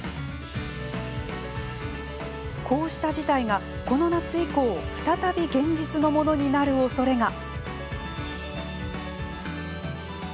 こうした事態が、この夏以降再び現実のものになるおそれが。